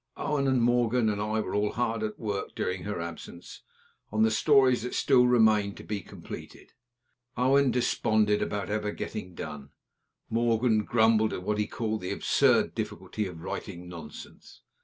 Owen, and Morgan, and I were all hard at work, during her absence, on the stories that still remained to be completed. Owen desponded about ever getting done; Morgan grumbled at what he called the absurd difficulty of writing nonsense.